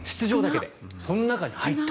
その中に入った。